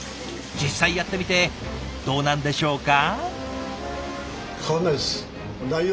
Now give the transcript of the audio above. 実際やってみてどうなんでしょうか？